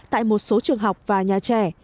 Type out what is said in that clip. tại một số trường học và nhà trẻ